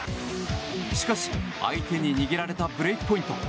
しかし、相手に握られたブレークポイント。